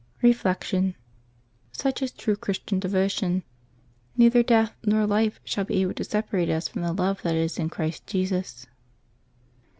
Reflection. — Such is true Christian devotion. " Neither death nor life shall be able to separate us from the love that is in Christ Jesus.''